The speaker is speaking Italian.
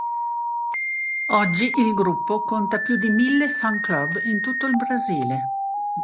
Oggi il gruppo conta più di mille fan-club in tutto il Brasile.